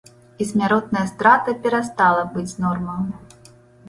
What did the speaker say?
І смяротная страта перастала быць нормаю.